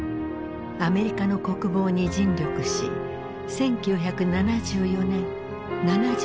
アメリカの国防に尽力し１９７４年７２歳で亡くなった。